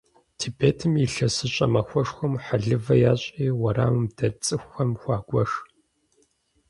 Тибетым ИлъэсыщӀэ махуэшхуэм хьэлывэ ящӀри, уэрамым дэт цӀыхухэм хуагуэш.